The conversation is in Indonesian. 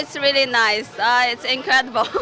ini luar biasa